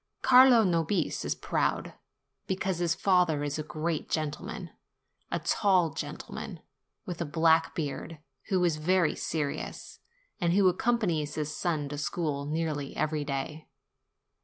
Carlo Nobis is proud, because his father is a great gentleman ; a tall gentleman, with a black beard, who is very serious, and who accompanies his son to school nearly every day.